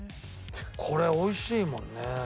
これ美味しいもんね。